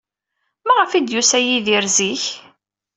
Maɣef ay d-yusa Yidir zik?